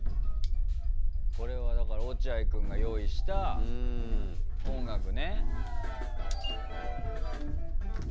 これはだから落合君が用意した音楽ね。